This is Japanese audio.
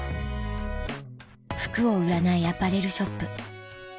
服を売らないアパレルショップ